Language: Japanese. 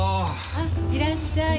あっいらっしゃい。